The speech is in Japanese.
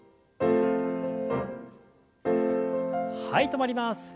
はい止まります。